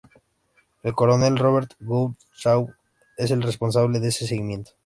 El Coronel Robert Gould Shaw es el responsable de ese regimiento.